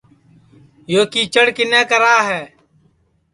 یو کیچڑ کِنے کرا ہے